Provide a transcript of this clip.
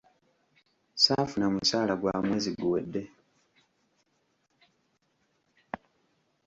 Saafuna musaala gwa mwezi guwedde.